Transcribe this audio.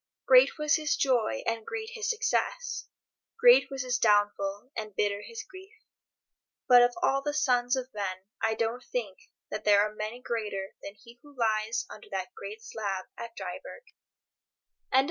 Great was his joy and great his success, great was his downfall and bitter his grief. But of all the sons of men I don't think there are many greater than he who lies under the great slab at Dryburgh. III.